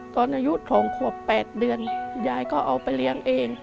ตอนอายุ๒ขวบ๘เดือนยายก็เอาไปเลี้ยงเอง